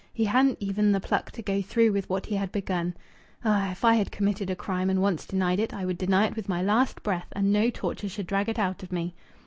"He hadn't even the pluck to go through with what he had begun.... Ah! If I had committed a crime and once denied it, I would deny it with my last breath, and no torture should drag it out of me!"